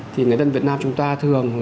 thì người dân việt nam chúng ta thường